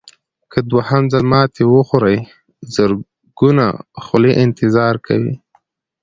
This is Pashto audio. که دوهم ځل ماتې وخورئ زرګونه خولې انتظار کوي.